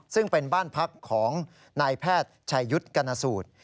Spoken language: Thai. ซึ่งเป็นบ้านพักของนายแพทย์ชัยยุทธ์กรณสูตร